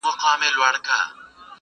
سړی پوه وو چي غمی مي قېمتي دی,